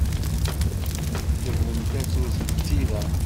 Ddeb n tatut d tira.